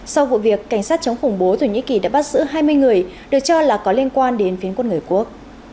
sau vụ việc cảnh sát chống khủng bố thổ nhĩ kỳ đã bắt giữ hai mươi người được cho là có liên quan đến phiến quân người quốc